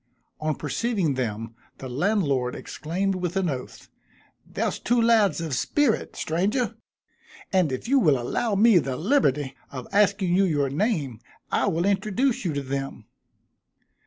On perceiving them the landlord exclaimed with an oath, "There's two lads of spirit! stranger and if you will allow me the liberty of asking you your name, I will introduce you to them."